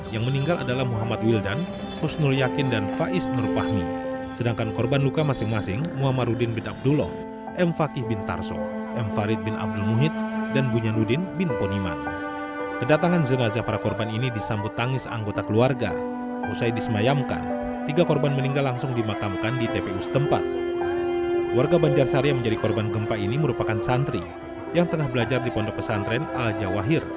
yang tengah belajar di pondok pesantren al jawahir